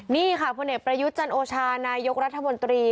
นี่ค่ะพประยุจันโอชานายกรัฐมนตรี